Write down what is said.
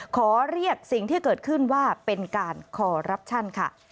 ขอเรียกสิ่งที่เกิดขึ้นว่าเป็นการคอรัปชั่นค่ะ